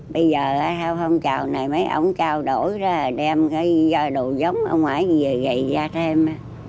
bây giờ hôm chào này mấy ông trao đổi ra đem cái đồ giống ở ngoài gì vậy ra thêm